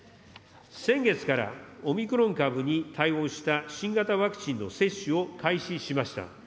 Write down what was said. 先月から、オミクロン株に対応した新型ワクチンの接種を開始しました。